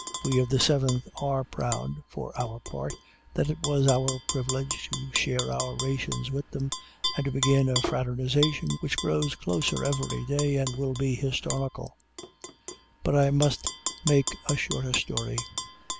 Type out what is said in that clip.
We of the Seventh are proud, for our part, that it was our privilege to share our rations with them, and to begin a fraternization which grows closer every day and will be historical. But I must make a shorter story.